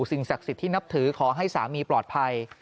สิ่งศักดิ์สิทธิ์ที่นับถือขอให้สามีปลอดภัย